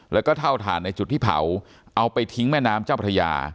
แล้วก็เท่าฐานในจุดที่เผาเอาไปทิ้งแม่น้ำเจ้าพระยา